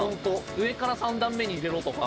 上から３段目に入れろとか。